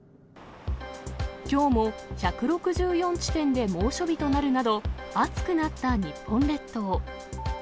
きょうも１６４地点で猛暑日となるなど、暑くなった日本列島。